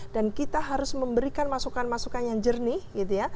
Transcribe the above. dan kita harus memberikan masukan masukan yang jernih gitu ya